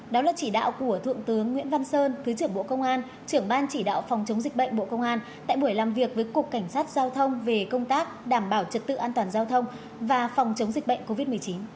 đó là chỉ đạo của thượng tướng nguyễn văn sơn thứ trưởng bộ công an trưởng ban chỉ đạo phòng chống dịch bệnh bộ công an tại buổi làm việc với cục cảnh sát giao thông về công tác đảm bảo trật tự an toàn giao thông và phòng chống dịch bệnh covid một mươi chín